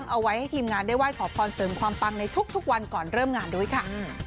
เอาไว้ให้ทีมงานได้ไห้ขอพรเสริมความปังในทุกวันก่อนเริ่มงานด้วยค่ะ